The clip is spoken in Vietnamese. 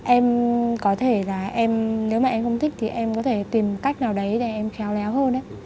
em có thể là em nếu mà em không thích thì em có thể tìm cách nào đấy để em khéo léo hơn